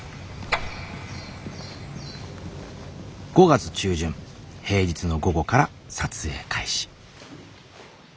５月中旬平日の午後から撮影開始。